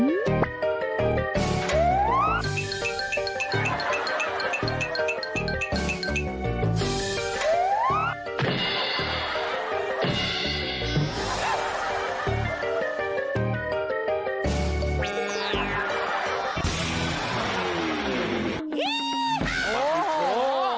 อี๊ยโอ้โห